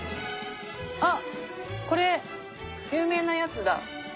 あっこれ有名なやつだ。